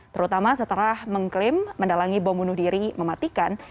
terutama setelah mengklaim mendalangi bom bunuh diri mematikan